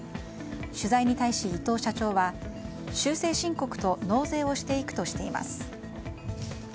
取材に対し、伊藤社長は修正申告と納税をしていくとしています。